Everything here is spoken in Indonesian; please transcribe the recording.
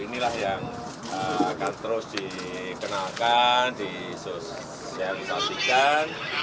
inilah yang akan terus dikenalkan disosialisasikan